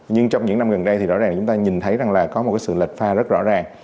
nhưng trong những năm gần đây thì rõ ràng chúng ta nhìn thấy rằng là có một sự lệch pha rất rõ ràng